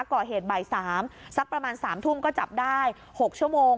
ก่อเหตุบ่าย๓สักประมาณ๓ทุ่มก็จับได้๖ชั่วโมง